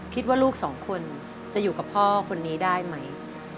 คิดว่าลูกสองคนจะอยู่กับพ่อคนนี้ได้ไหม